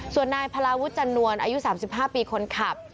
ส่วนนายพลาวุฒิจันนวลอายุ๓๕ปีคนขับ